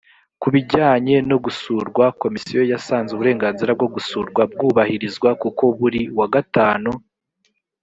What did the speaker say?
ku bijyanye no gusurwa komisiyo yasanze uburenganzira bwo gusurwa bwubahirizwa kuko buri wa gatanu